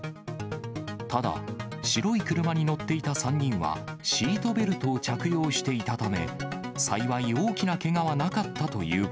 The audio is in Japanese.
ただ、白い車に乗っていた３人は、シートベルトを着用していたため、幸い大きなけがはなかったという